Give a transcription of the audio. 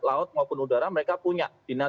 laut maupun udara mereka punya dinas